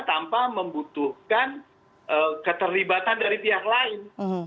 tanpa membutuhkan keterlibatan dari pihak lain